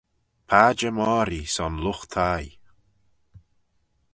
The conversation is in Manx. Padjer moghree son lught-thie.